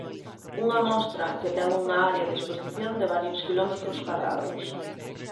Unha mostra que ten unha área de exposición de varios quilómetros cadrados.